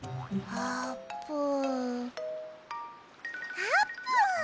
あーぷん？